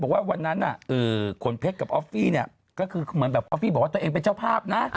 วันนั้นขนเพชรกับออฟฟี่เนี่ยก็คือเหมือนแบบออฟฟี่บอกว่าตัวเองเป็นเจ้าภาพนะ